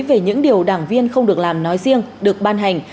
về những điều đảng viên không được làm nói riêng được ban hành